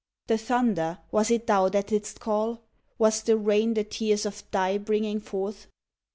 The thunder, was it thou that didst call"? Was the rain the tears of thy bringing f orth